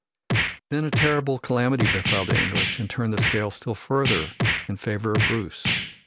Then a terrible calamity befell the English and turned the scale still further in favor of Bruce.